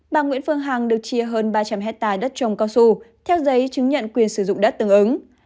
bà nguyễn phương hằng được chia hơn ba trăm linh hectare đất trồng cao su theo giấy chứng nhận quyền sử dụng đất tương ứng